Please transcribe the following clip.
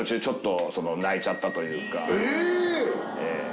ちょっと泣いちゃったというかえっ！？